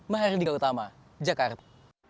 mahardika utama jakarta